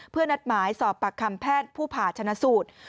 เพื่อนัดหมายสอบปากคำแพทย์ผู้ผ่าชนะสูตร